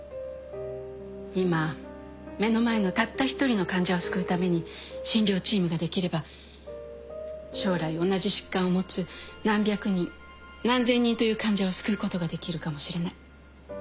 今目の前のたった一人の患者を救うために診療チームができれば将来同じ疾患を持つ何百人何千人という患者を救うことができるかもしれない。